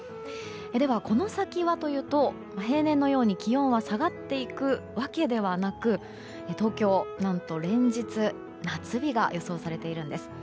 ではこの先はというと平年のように気温が下がっていくわけではなく東京、何と連日夏日が予想されているんです。